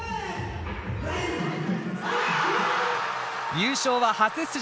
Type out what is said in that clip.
優勝は初出場